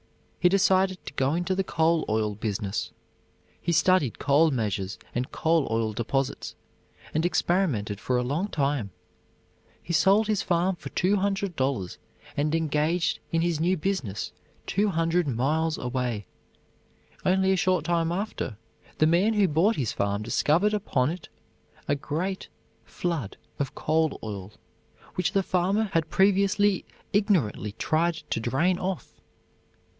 He decided to go into the coal oil business; he studied coal measures and coal oil deposits, and experimented for a long time. He sold his farm for $200, and engaged in his new business two hundred miles away. Only a short time after, the man who bought his farm discovered upon it a great flood of coal oil, which the farmer had previously ignorantly tried to drain off.